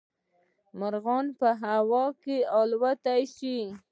مارغان په هوا کې الوتلی شي